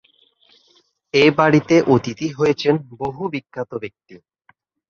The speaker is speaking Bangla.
এ বাড়িতে অতিথি হয়েছেন বহু বিখ্যাত ব্যক্তি।